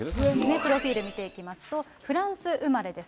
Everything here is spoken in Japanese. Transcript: プロフィール見ていきますと、フランス生まれです。